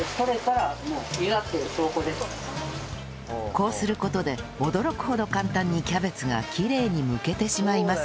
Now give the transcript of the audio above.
こうする事で驚くほど簡単にキャベツがきれいにむけてしまいます